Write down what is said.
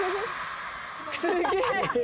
すげえ。